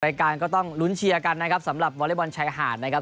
รายการก็ต้องลุ้นเชียร์กันนะครับสำหรับวอเล็กบอลชายหาดนะครับ